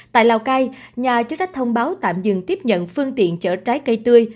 tại lào cai nhà chức tách thông báo tạm dừng tiếp nhận phương tiện chở trái cây tươi